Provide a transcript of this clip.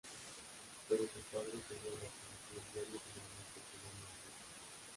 Pero su padre tenía razón y el diario finalmente quedó en la ruina.